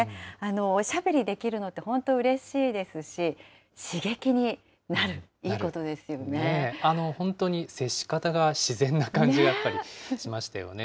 おしゃべりできるのって本当、うれしいですし、刺激になる、本当に接し方が自然な感じだったりしましたよね。